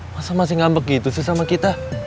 masa masih ngambek gitu sih sama kita